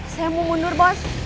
saya mau mundur bos